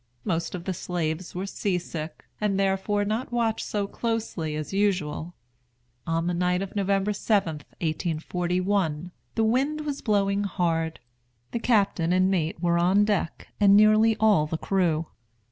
Most of the slaves were sea sick, and therefore were not watched so closely as usual. On the night of November 7, 1841, the wind was blowing hard. The captain and mate were on deck, and nearly all the crew.